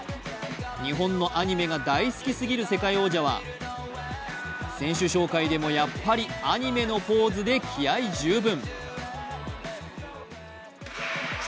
日本のアニメが大好きすぎる世界王者は選手紹介もやっぱりアニメのポーズで気合い十分。